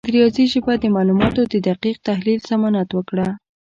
د ریاضي ژبه د معلوماتو د دقیق تحلیل ضمانت وکړه.